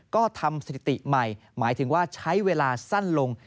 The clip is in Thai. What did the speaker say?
ก็ทำสถิติใหม่หมายถึงว่าใช้เวลาสั้นลง